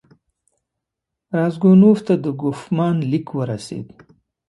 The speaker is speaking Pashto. راسګونوف ته د کوفمان لیک ورسېد.